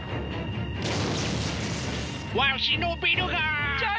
わしのビルが！社長！